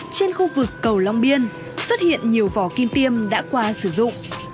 trên khu vực cầu long biên xuất hiện nhiều vỏ kim tiêm đã qua sử dụng